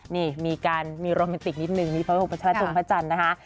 นี่มีการมีโรแมนติกนิดนึงมีพระองค์ประชาจงพระจันทร์นะคะ